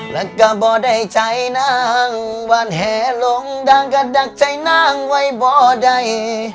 และก็บ่ได้ใจน้างหวานแหลงลงดังกระดักใจน้างไว้บ่ได้